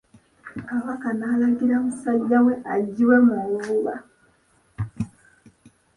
Kabaka n'alagira musajja we aggyibwe mu nvuba.